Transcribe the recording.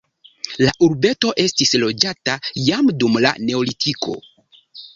La urbeto estis loĝata jam dum la neolitiko.